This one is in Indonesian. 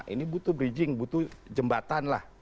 ini butuh bridging butuh jembatan lah